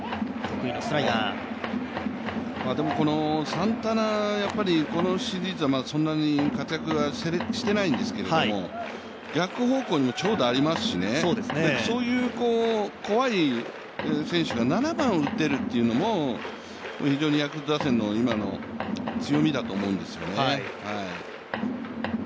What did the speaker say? サンタナはこのシリーズはそんなに活躍はしていないんですけれども逆方向の長打がありますし、そういう怖い選手が７番を打てるというのも、非常にヤクルト打線の今の強みだと思うんですよね。